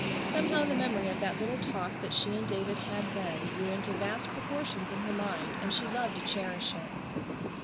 Somehow the memory of that little talk that she and David had then grew into vast proportions in her mind, and she loved to cherish it.